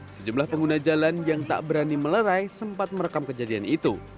sejumlah pengguna jalan yang tak berani melerai sempat merekam kejadian itu